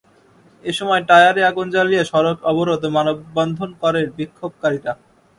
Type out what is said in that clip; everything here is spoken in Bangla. এ সময় টায়ারে আগুন জ্বালিয়ে সড়ক অবরোধ ও মানববন্ধন করেন বিক্ষোভকারীরা।